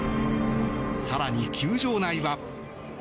更に、球場内は。